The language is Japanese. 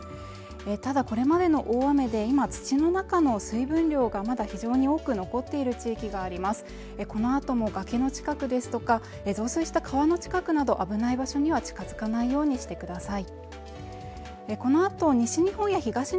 ただこれまでの大雨で今土の中の水分量がまだ非常に多く残っている地域があります、この後も崖の近くですとか増水した川の近くなど危ない場所には近づかないようにしてください。